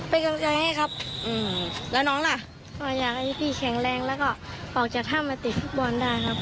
เป็นกำลังใจให้ครับแล้วน้องล่ะก็อยากให้พี่แข็งแรงแล้วก็ออกจากถ้ำมาติดฟุตบอลได้ครับ